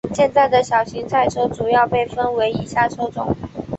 现在的小型赛车主要被分为以下车种。